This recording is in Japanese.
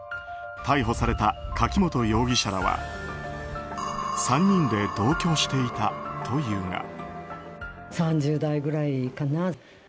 逮捕された柿本容疑者らは３人で同居していたというが。